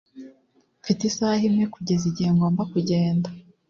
mfite isaha imwe kugeza igihe ngomba kugenda